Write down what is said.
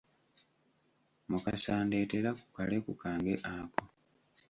Mukasa ndeetera ku kaleku kange ako.